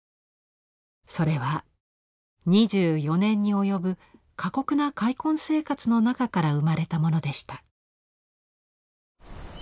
それは２４年に及ぶ過酷な開墾生活の中から生まれたものでした。